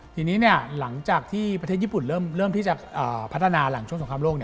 ทีนี้หลังจากที่ประเทศญี่ปุ่นเริ่มที่จะพัฒนาหลังช่วงสงครามโลก